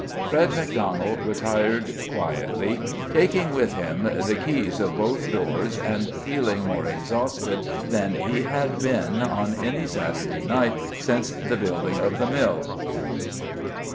Fred Macdonald retired quietly, taking with him the keys of both doors, and feeling more exhausted than he had been on any Saturday night since the building of the mill.